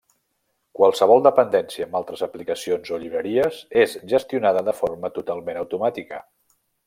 Qualsevol dependència amb altres aplicacions o llibreries és gestionada de forma totalment automàtica.